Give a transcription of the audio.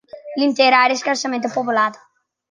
L'intera area è scarsamente popolata.